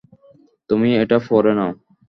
তুমি এটা পরে নাও।